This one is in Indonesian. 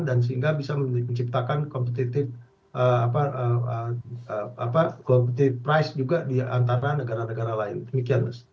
dan sehingga bisa menciptakan competitive price juga di antara negara negara lain demikian mas